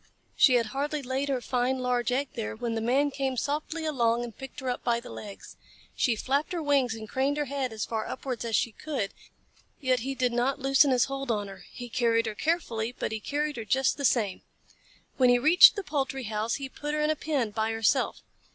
She had hardly laid her fine large egg there when the Man came softly along and picked her up by the legs. She flapped her wings and craned her head as far upwards as she could, yet he did not loosen his hold on her. He carried her carefully, but he carried her just the same. When he reached the poultry house, he put her in a pen by herself.